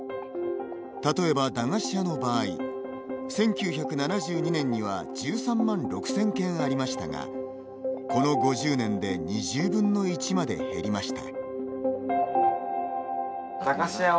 例えば駄菓子屋の場合１９７２年には１３万６０００軒ありましたがこの５０年で２０分の１まで減りました。